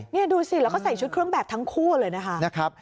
นี่ดูสิแล้วก็ใส่ชุดเครื่องแบบทั้งคู่เลยนะคะ